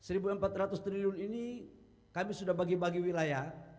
rp satu empat ratus triliun ini kami sudah bagi bagi wilayah